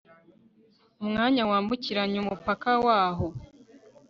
umwanya wambukiranya umupaka waho